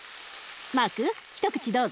マーク一口どうぞ。